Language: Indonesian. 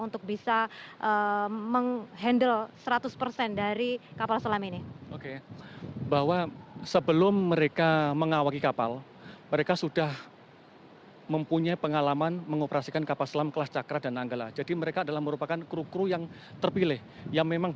untuk bisa menghandle serangan